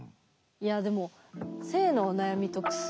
いやでも性のお悩みと薬。